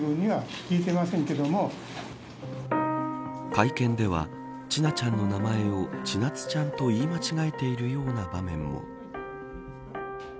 会見では千奈ちゃんの名前をちなつちゃんと言い間違えているような場面も。